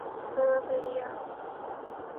He had been disgraced for a number of years prior.